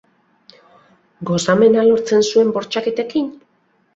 Gozamena lortzen zuen bortxaketekin?